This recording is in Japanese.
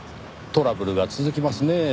トラブルが続きますねぇ。